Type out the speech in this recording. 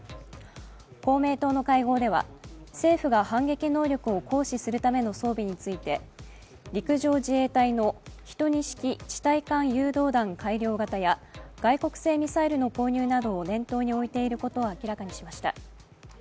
公明党の会合では政府が反撃能力を行使するための装備について陸上自衛隊の１２式地対艦誘導弾改良型や外国製ミサイルの購入などを念頭に置いていることを明らかにしました。